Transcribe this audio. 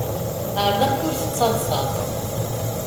Ԑreḍ amek ur tettaḍsaḍ.